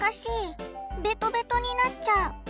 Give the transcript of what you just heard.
ベトベトになっちゃう。